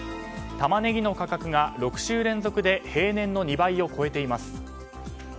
タマネギの価格が６週連続で平年の２倍を超えています。